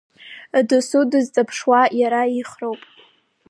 Досу дызҵаԥшуа иара ихроуп…